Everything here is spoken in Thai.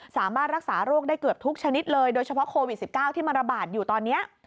สามารถรักษาโรคได้เกือบทุกชนิดเลยโดยเฉพาะโควิด๑๙ที่มันระบาดอยู่ตอนนี้